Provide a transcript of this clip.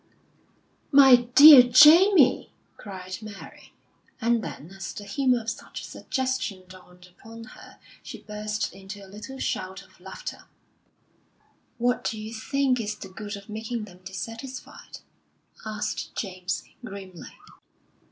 "My dear Jamie!" cried Mary; and then as the humour of such a suggestion dawned upon her, she burst into a little shout of laughter. "What d'you think is the good of making them dissatisfied?" asked James, grimly.